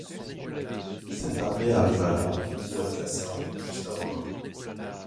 Cette armée arriva là à Dhu al-Qassah juste avant l’aube.